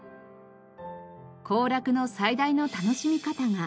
行楽の最大の楽しみ方が。